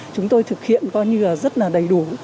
chúng tôi thực hiện coi như là rất là đầy đủ